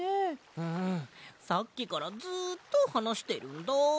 うんさっきからずっとはなしてるんだ。